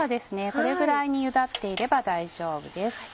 これぐらいにゆだっていれば大丈夫です。